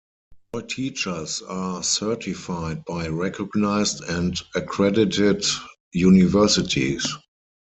All teachers are certified by recognized and accredited universities.